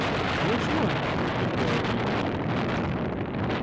"Which one?" inquired Hebron.